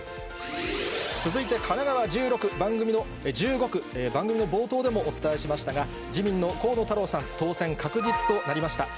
続いて神奈川１５区、番組の冒頭でもお伝えしましたが、自民の河野太郎さん、当選確実となりました。